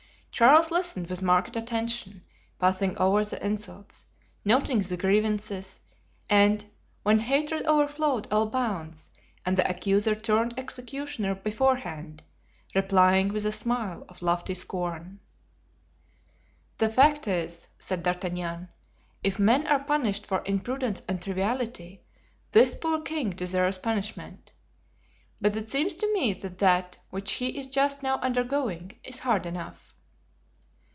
Charles listened with marked attention, passing over the insults, noting the grievances, and, when hatred overflowed all bounds and the accuser turned executioner beforehand, replying with a smile of lofty scorn. "The fact is," said D'Artagnan, "if men are punished for imprudence and triviality, this poor king deserves punishment. But it seems to me that that which he is just now undergoing is hard enough."